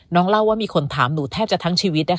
เล่าว่ามีคนถามหนูแทบจะทั้งชีวิต